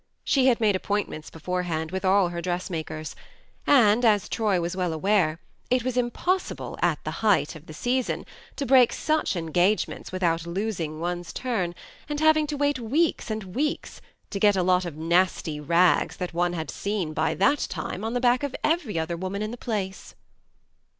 She had made appointments beforehand with all her dressmakers, and, as Troy was well aware, it was impossible, at the height of the season, to break such engagements without losing one's turn, and having to wait weeks and weeks to get a lot of nasty rags that one had seen, by that time, on the back of every other woman in the place.